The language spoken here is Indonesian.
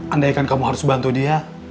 andaikan kamu harus bantu dia